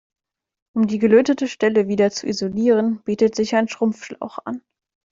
Um die gelötete Stelle wieder zu isolieren, bietet sich ein Schrumpfschlauch an.